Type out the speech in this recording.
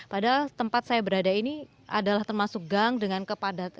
padahal tempat saya berada ini adalah termasuk gang dengan kepadatan